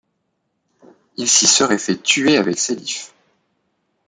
Il s'y serait fait tuer avec Selyf.